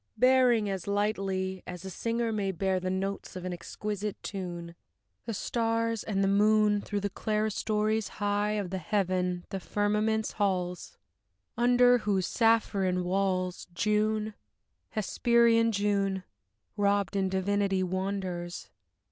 bearing, as lightly As a singer may bear the notes of an exquisite tune, The stars and the moon Through the clerestories high of the heaven, the firmament's halls: Under whose sapphirine walls, June, hesperian June, Robed in divinity wanders.